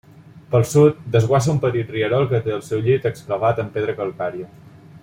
Pel sud, desguassa un petit rierol que té el seu llit excavat en pedra calcària.